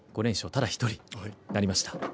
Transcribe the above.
ただ１人になりました。